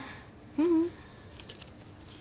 ううん。